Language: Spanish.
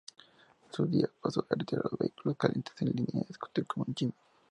Sus días pasó de retirar los vehículos "calientes" en línea y discutir con Jimmy.